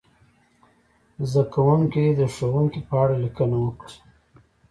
زده کوونکي دې د ښوونکي په اړه لیکنه وکړي.